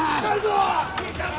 いたぞ！